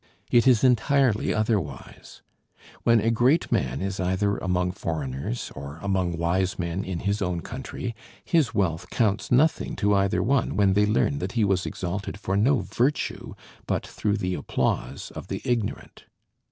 It is entirely otherwise. When a great man is either among foreigners, or among wise men in his own country, his wealth counts nothing to either one when they learn that he was exalted for no virtue, but through the applause of the ignorant.